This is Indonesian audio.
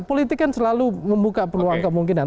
politik kan selalu membuka peluang kemungkinan